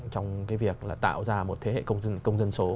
trong cái việc tạo ra một thế hệ công dân số